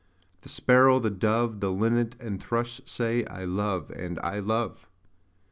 The Sparrow, the Dove, The Linnet and Thrush say, 'I love and I love!'